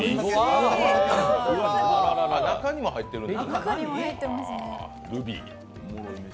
中にも入っているんだ。